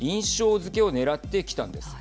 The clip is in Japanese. づけをねらってきたんです。